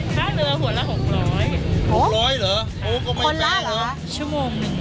ค่าเรือหัวละหกร้อยหกร้อยเหรอโอ้ก็ไม่คนละเหรอชั่วโมงหนึ่ง